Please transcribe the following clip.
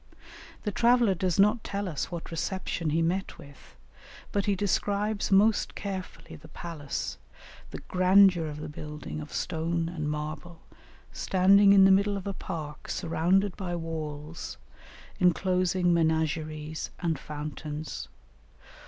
The traveller does not tell us what reception he met with, but he describes most carefully the palace, the grandeur of the building of stone and marble, standing in the middle of a park surrounded by walls, enclosing menageries and fountains.